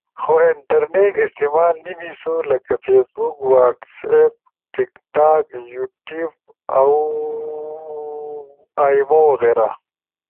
خو انٹرنیٹ استعمال نی بیسو۔ لکہ فیسبک، واٹس ایپ ، ٹک ٹاک، یوٹیوب ، آئی مو وغیرہ